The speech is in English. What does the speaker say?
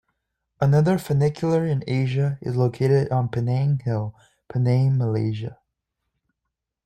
Another funicular in Asia is located on Penang Hill, Penang, Malaysia.